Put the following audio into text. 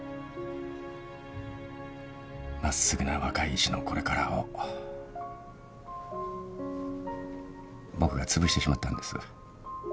真っすぐな若い医師のこれからを僕がつぶしてしまったんです。